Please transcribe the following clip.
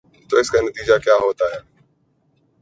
تو اس کا نتیجہ کیا ہو تا ہے۔